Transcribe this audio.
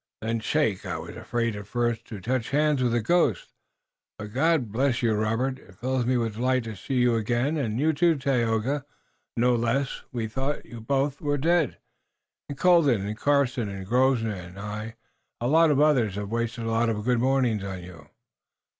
"Then shake. I was afraid, at first, to touch hands with a ghost, but, God bless you, Robert, it fills me with delight to see you again, and you, too, Tayoga, no less. We thought you both were dead, and Colden and Carson and Grosvenor and I and a lot of others have wasted a lot of good mourning on you."